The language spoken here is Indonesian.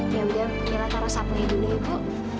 ya udah mila taruh sapu hidung dulu ibu